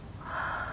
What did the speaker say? ああ